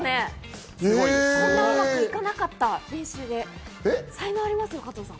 こんなうまくいかなかった、練習で才能ありますよ、加藤さん。